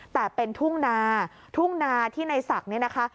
แต่เป็นทุ่งนาทุ่งนาที่ในศักดิ์เนี่ยนะคะ